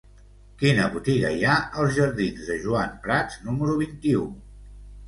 Quina botiga hi ha als jardins de Joan Prats número vint-i-u?